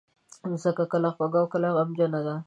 مځکه کله خوږه او کله غمجنه ده.